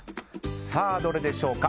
さあ、どれでしょうか。